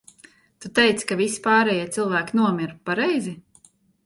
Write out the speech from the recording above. Tu teici, ka visi pārējie cilvēki nomira, pareizi?